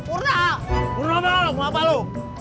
uruh apa lo